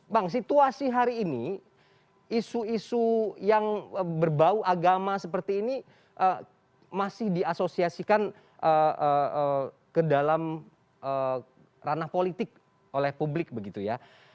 bang situasi hari ini isu isu yang berbau agama seperti ini masih diasosiasikan ke dalam ranah politik oleh publik begitu ya